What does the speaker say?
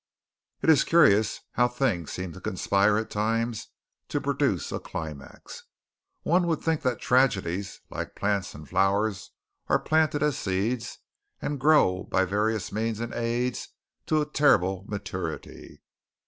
It is curious how things seem to conspire at times to produce a climax. One would think that tragedies like plants and flowers are planted as seeds and grow by various means and aids to a terrible maturity.